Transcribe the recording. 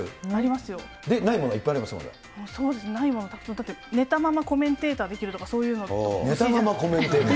ないもの、そうですね、ないもの、だって、寝たままコメンテーターできるとか、そういうの。